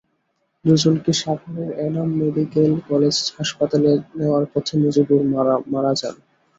দুজনকে সাভারের Enam medical college হাসপাতালে নেওয়ার পথে মজিবুর মারা যান।